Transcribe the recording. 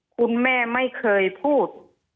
คุณแม่ไม่เคยพูด